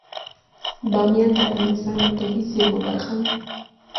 بامیان د افغانستان د طبیعي زیرمو برخه ده.